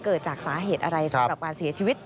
เกิดจากสาเหตุอะไรสำหรับการเสียชีวิต